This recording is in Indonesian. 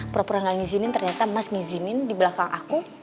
pura pura gak ngizinin ternyata mas ngizinin di belakang aku